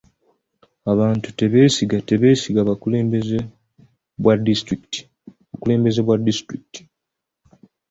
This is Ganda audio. Abantu tebeesiga tebeesiga bukulembeze bwa disitulikiti.